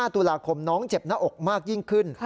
ตุลาคมน้องเจ็บหน้าอกมากยิ่งขึ้น